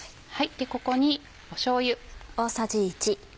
ここにしょうゆ。